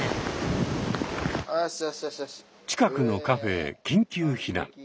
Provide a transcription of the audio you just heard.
近くのカフェへ緊急避難。